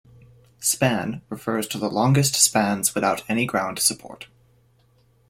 "Span" refers to the longest spans without any ground support.